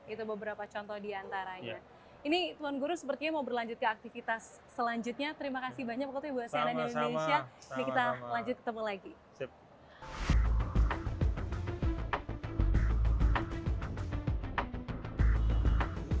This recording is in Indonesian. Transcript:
itu beberapa contoh diantaranya